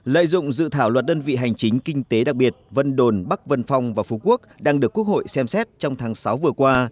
lợi dụng dự thảo luật đơn vị hành chính kinh tế đặc biệt vân đồn bắc vân phong và phú quốc đang được quốc hội xem xét trong tháng sáu vừa qua